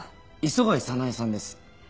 磯貝早苗さんです。